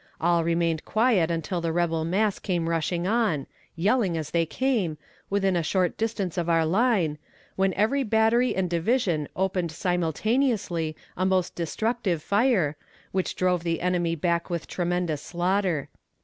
All remained quiet until the rebel mass came rushing on yelling as they came within a short distance of our line, when every battery and division opened simultaneously a most destructive fire, which drove the enemy back with tremendous slaughter.